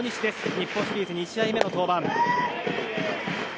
日本シリーズ２試合目の登板。